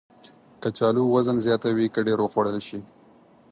کچالو وزن زیاتوي که ډېر وخوړل شي